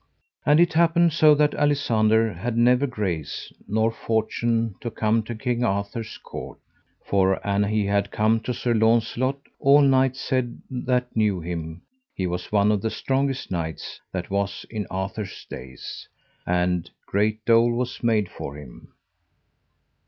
And it happed so that Alisander had never grace nor fortune to come to King Arthur's court. For an he had come to Sir Launcelot, all knights said that knew him, he was one of the strongest knights that was in Arthur's days, and great dole was made for him.